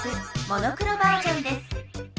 モノクロバージョンです。